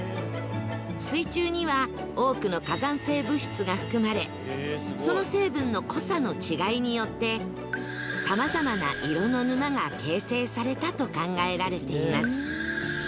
水中には多くの火山性物質が含まれその成分の濃さの違いによってさまざまな色の沼が形成されたと考えられています